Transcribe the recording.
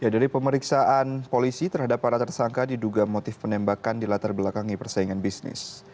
dari pemeriksaan polisi terhadap para tersangka diduga motif penembakan di latar belakangi persaingan bisnis